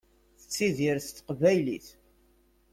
Tettidir s teqbaylit.